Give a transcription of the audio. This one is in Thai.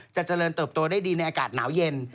เจริญเติบโตได้ดีในอากาศหนาวเย็น